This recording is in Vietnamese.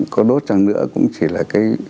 có đốt chẳng nữa cũng chỉ là cái